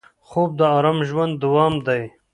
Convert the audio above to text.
خوب د ارام ژوند دوام دی